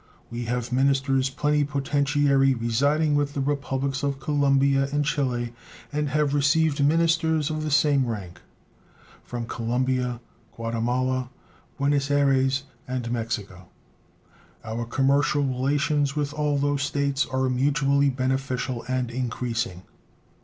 We have ministers plenipotentiary residing with the Republics of Colombia and Chile, and have received ministers of the same rank from Columbia, Guatemala, Buenos Ayres, and Mexico. Our commercial relations with all those States are mutually beneficial and increasing.